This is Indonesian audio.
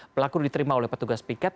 pelaku diterima oleh petugas piket